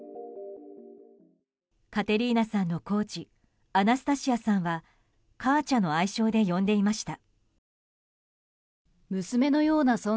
カテリーナさんのコーチアナスタシアさんはカーチャの愛称で呼んでいました。